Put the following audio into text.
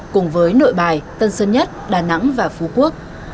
cùng với nội bài tân sơn nhất đà nẵng và phú quốc